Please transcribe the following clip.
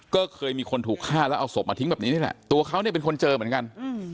ก็เคยมีคนถูกฆ่าแล้วเอาศพมาทิ้งแบบนี้นี่แหละตัวเขาเนี่ยเป็นคนเจอเหมือนกัน